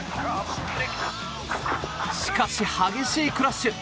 しかし、激しいクラッシュ。